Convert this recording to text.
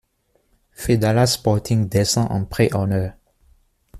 Fedala Sporting descend en Pré-Honneur.